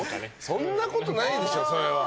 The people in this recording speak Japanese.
そんなことないでしょ、それは。